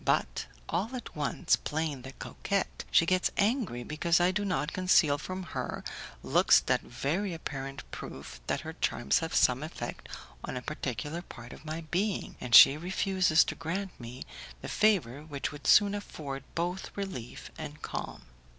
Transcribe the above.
But all at once, playing the coquette, she gets angry because I do not conceal from her looks the very apparent proof that her charms have some effect on a particular part of my being, and she refuses to grant me the favour which would soon afford both relief and calm.